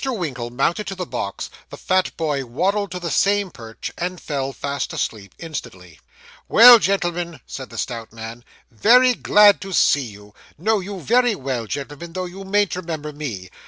Winkle mounted to the box, the fat boy waddled to the same perch, and fell fast asleep instantly. 'Well, gentlemen,' said the stout man, 'very glad to see you. Know you very well, gentlemen, though you mayn't remember me.